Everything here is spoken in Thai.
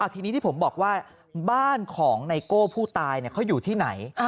ทีนี้ที่ผมบอกว่าบ้านของไนโก้ผู้ตายเขาอยู่ที่ไหน